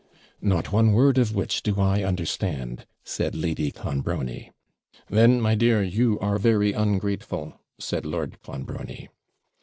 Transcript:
'Not one word of which do I understand,' said Lady Clonbrony. 'Then, my dear, you are very ungrateful,' said Lord Clonbrony.